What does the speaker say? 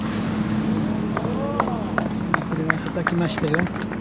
これははたきましたよ。